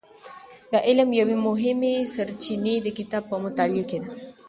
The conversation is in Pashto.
د علم یوې مهمې سرچینې د کتاب په مطالعه کې ده.